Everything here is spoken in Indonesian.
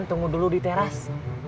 tunggu dulu di teras